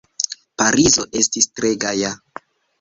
Parizo estis tre gaja.